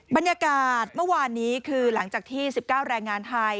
บรรยากาศเมื่อวานนี้คือหลังจากที่๑๙แรงงานไทย